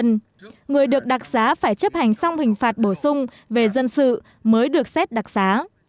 tuy nhiên người được đặc giá phải chấp hành xong hình phạt bổ sung về dân sự mới được xét đặc giá